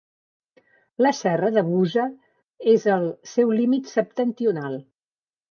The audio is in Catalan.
La serra de Busa és el seu límit septentrional.